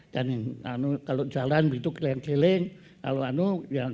dan kalau jalan begitu keliling keliling